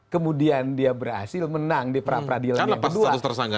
kemudian dia berhasil menang di pra peradilan yang kedua